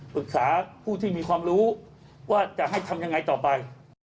ปรึกษาผู้ที่มีความรู้ว่าจะให้ทำยังไงต่อไป